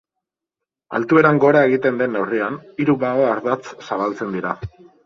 Altueran gora egiten den neurrian, hiru bao ardatz zabaltzen dira.